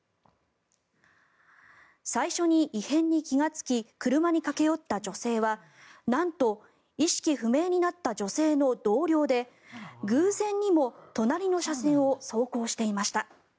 最初に異変に気がつき車に駆け寄った女性はなんと意識不明になった女性の同僚で偶然にも隣の車線を走行していました。